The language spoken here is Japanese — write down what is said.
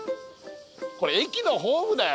これ駅のホームだよ。